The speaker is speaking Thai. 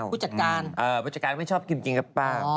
ผู้จัดการเออผู้จัดการไม่ชอบคิมจริงหรือเปล่า